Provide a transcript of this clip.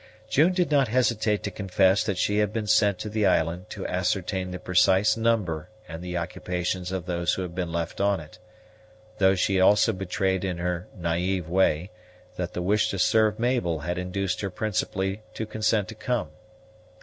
June did not hesitate to confess that she had been sent to the island to ascertain the precise number and the occupations of those who had been left on it, though she also betrayed in her naive way that the wish to serve Mabel had induced her principally to consent to come.